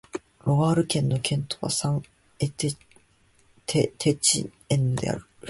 ロワール県の県都はサン＝テチエンヌである